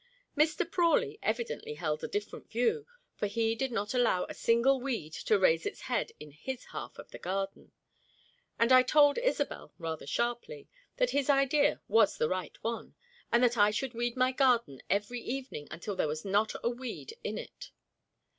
Mr. Prawley evidently held a different view, for he did not allow a single weed to raise its head in his half of the garden, and I told Isobel, rather sharply, that his idea was the right one, and that I should weed my garden every evening until there was not a weed in it.